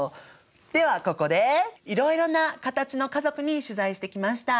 ではここでいろいろなカタチの家族に取材してきました。